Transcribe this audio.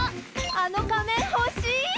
「あの仮面ほしい！」。